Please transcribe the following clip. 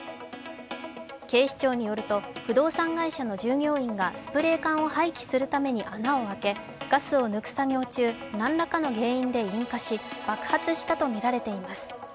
警視庁によると、不動産会社の従業員がスプレー缶を廃棄するために穴を開け、ガスを抜く作業中、何らかの原因で引火し、爆発したとみられています。